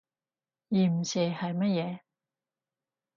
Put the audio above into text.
鹽蛇係乜嘢？